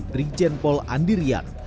brigjen pol andirian